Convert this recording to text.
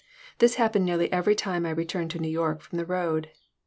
This happened nearly every time I returned to New York from the road.